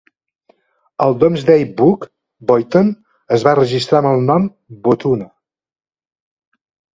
Al Domesday Book, Boyton es va registrar amb el nom "Bohtuna".